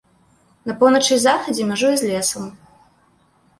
На поўначы і захадзе мяжуе з лесам.